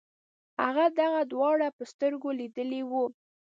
هغه دغه دواړه په سترګو لیدلي وو.